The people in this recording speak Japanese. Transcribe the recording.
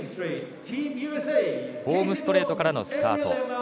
ホームストレートからのスタート。